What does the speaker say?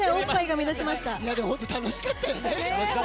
本当に楽しかったよね。